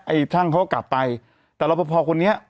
ช่างเขาก็กลับไปแต่รอปภคนนี้